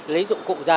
lấy dụng cụ ra